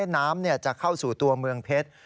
น้ำจะเข้าสู่ตัวเมืองเพชร